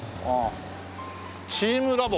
「チームラボ」